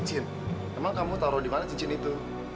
emang kamu taruh di mana cincin itu